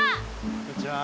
こんにちは。